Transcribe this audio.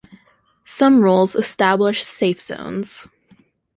Some rules establish safe-zones.